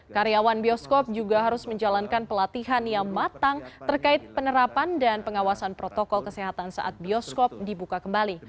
karyawan bioskop juga harus menjalankan pelatihan yang matang terkait penerapan dan pengawasan protokol kesehatan saat bioskop dibuka kembali